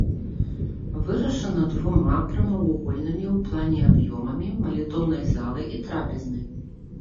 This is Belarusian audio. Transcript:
Вырашана двума прамавугольнымі ў плане аб'ёмамі малітоўнай залы і трапезнай.